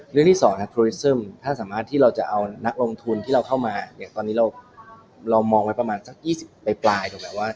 เรื่องที่สองถ้าสามารถที่เราจะเอานักลงทุนที่เราเข้ามาตอนนี้เรามองไว้ประมาณสัก๒๐ไปปลาย